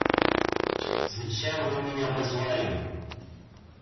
— Зачем вы меня позвали?